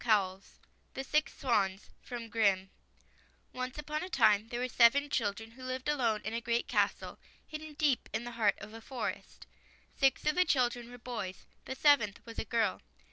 47 ] THE SIX SWANS O NCE upon a time there were seven children who lived alone in a great castle, hidden deep in the heart of a forest. Six of the children were boys ; the seventh was a girl.